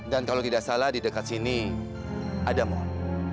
dan kalau tidak salah di dekat sini ada mall